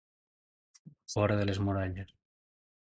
Fora de les muralles.